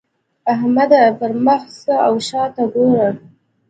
احمده! پر مخ ځه او شا ته ګوره.